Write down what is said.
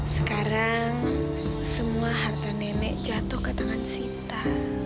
sekarang semua harta nenek jatuh ke tangan sinta